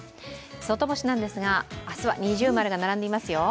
外干しなんですが、明日は二重丸が並んでいますよ。